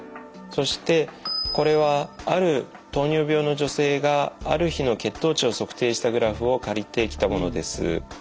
そしてこれはある糖尿病の女性がある日の血糖値を測定したグラフを借りてきたものです。